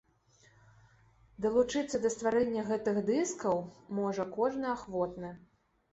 Далучыцца да стварэння гэтых дыскаў можа кожны ахвотны.